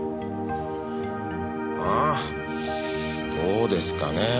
ああどうですかねぇ？